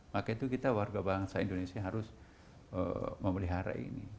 maka itu kita warga bangsa indonesia harus memelihara ini